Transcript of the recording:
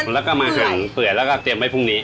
แล้วก็เคี่ยวจนมันเปื่อยแล้วก็เตรียมไว้พรุ่งนี้